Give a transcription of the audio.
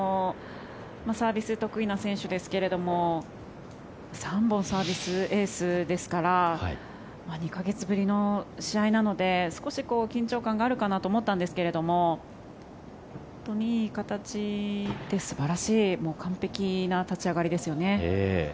サービスが得意な選手ですが３本サービスエースですから２か月ぶりの試合なので少し緊張感があるかなと思ったんですけれども本当にいい形で素晴らしい完璧な立ち上がりですよね。